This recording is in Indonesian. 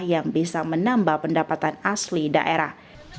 yang bisa menambah pendapatan asli daerah